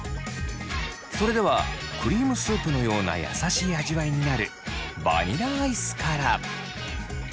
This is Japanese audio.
それではクリームスープのような優しい味わいになるバニラアイスから。